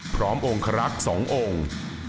พร้อมองค์ครักษ์สององค์